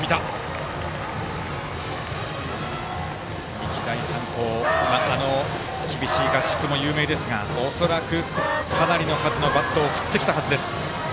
日大三高厳しい合宿も有名ですが恐らく、かなりの数のバットを振ってきたはずです。